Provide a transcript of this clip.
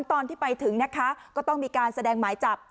ตอนที่ไปถึงนะคะก็ต้องมีการแสดงหมายจับ